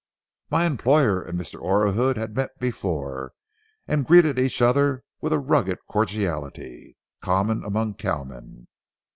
My employer and Mr. Orahood had met before, and greeted each other with a rugged cordiality common among cowmen.